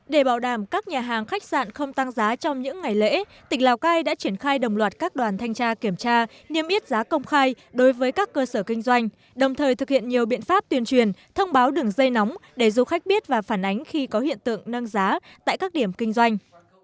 để bảo đảm các nhà hàng khách sạn không tăng giá trong những ngày lễ tỉnh lào cai đã triển khai đồng loạt các đoàn thanh tra kiểm tra niêm yết giá công khai đối với các cơ sở kinh doanh đồng thời thực hiện nhiều biện pháp tuyên truyền thông báo đường dây nóng để du khách biết và phản ánh khi có hiện tượng nâng giá tại các điểm kinh doanh